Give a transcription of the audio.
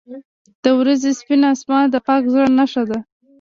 • د ورځې سپین آسمان د پاک زړه نښه ده.